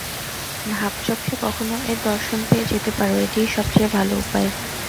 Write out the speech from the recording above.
ভাব-চক্ষে কখনও এর দর্শন পেয়ে যেতে পার, এটিই সবচেয়ে ভাল উপায়।